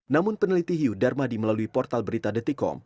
namun peneliti hiu darmadi melalui portal berita detikom